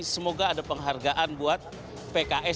semoga ada penghargaan buat pks